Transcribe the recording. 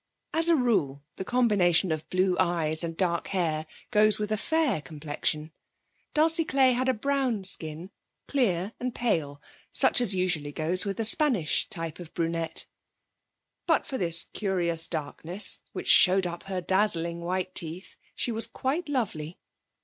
As a rule the combination of blue eyes and dark hair goes with a fair complexion. Dulcie Clay had a brown skin, clear and pale, such as usually goes with the Spanish type of brunette. But for this curious darkness, which showed up her dazzling white teeth, she was quite lovely.